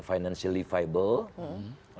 financially viable oleh karena itu ditunjuk